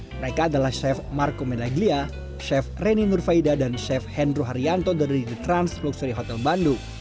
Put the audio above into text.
mereka adalah chef marco mendaglia chef reni nurfaida dan chef hendro haryanto dari the trans luxury hotel bandung